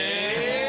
え？